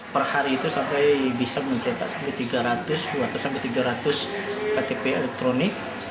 per hari itu sampai bisa mencetak sampai tiga ratus dua ratus sampai tiga ratus ktp elektronik